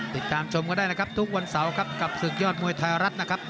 ติดตามชมก็ได้นะครับทุกวันเสาร์ครับกับศึกยอดมวยไทยรัฐนะครับ